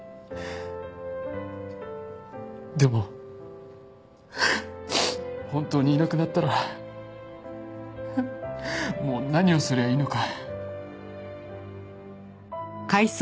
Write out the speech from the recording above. でも本当にいなくなったらもう何をすりゃいいのか。